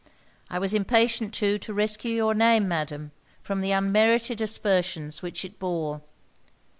I was impatient too to rescue your name, Madam, from the unmerited aspersions which it bore.